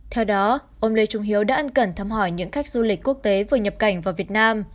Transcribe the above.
theo đó ông lê trung hiếu đã ăn cẩn thăm hỏi những khách du lịch quốc tế vừa nhập cảnh vào việt nam